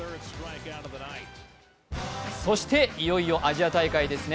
そして、いよいよアジア大会ですね。